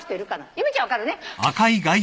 由美ちゃん分かるね。